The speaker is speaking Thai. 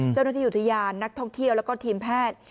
เจ้าหน้าที่อุทยานนักท่องเที่ยวแล้วก็ทีมแพทย์